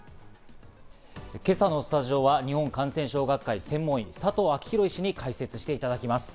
今朝のスタジオは日本感染症学会・専門医、佐藤昭裕医師に解説していただきます。